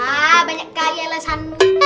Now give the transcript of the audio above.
ah banyak kali alasanmu